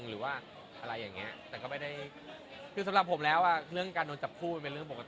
คือผมว่าคงสนิทกว่านี้ถ้าผมเก่งภาษาอังกฤษ